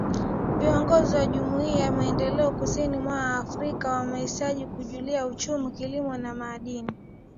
Viongozi wa Jumuiya ya Maendeleo Kusini mwa Afrika wahamasisha ukuaji uchumi, Kilimo na Madini